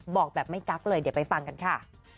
บอกแบบไม่กั๊กเลยเดี๋ยวไปฟังกันค่ะ